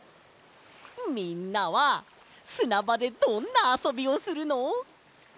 みんなはすなばでどんなあそびをするの？